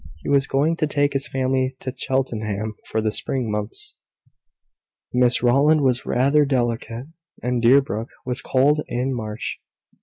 He was going to take his family to Cheltenham for the spring months. Miss Rowland was rather delicate, and Deerbrook was cold in March.